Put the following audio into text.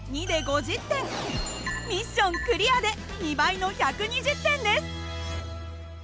ミッションクリアで２倍の１２０点です。